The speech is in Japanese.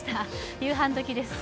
夕飯時です。